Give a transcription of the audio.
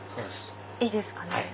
いいですかね？